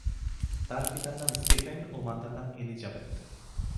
তার পিতার নাম স্টিফেন ও মাতার নাম এলিজাবেথ।